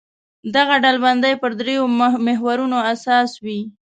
دغه ډلبندي پر درېیو محورونو اساس وي.